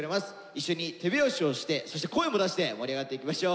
一緒に手拍子をしてそして声も出して盛り上がっていきましょう。